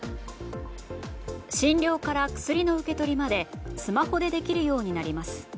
診療から薬の受け取りまでスマホでできるようになります。